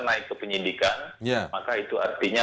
naik ke penyidikan maka itu artinya